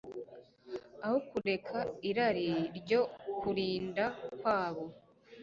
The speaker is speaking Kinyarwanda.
aho kureka irari ryo kutirinda kwabo.